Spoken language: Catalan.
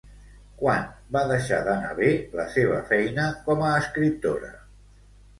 Quan va deixar d'anar bé la seva feina com a escriptora?